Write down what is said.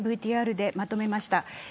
ＶＴＲでまとめました。